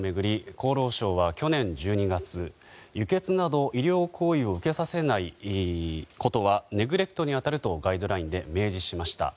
厚労省は去年１２月、輸血など医療行為を受けさせないことはネグレクトに当たるとガイドラインで明示しました。